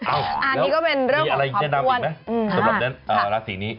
อ้าวมีอะไรแนะนำอีกไหมสำหรับราศีนี้